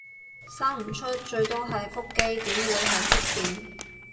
生唔出最多係腹肌，點會係積便